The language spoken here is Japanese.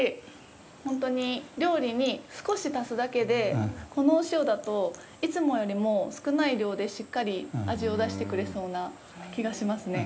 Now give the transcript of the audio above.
ほんとに料理に少し足すだけで、このお塩だといつもよりも少ない量でしっかり味を出してくれそうな気がしますね。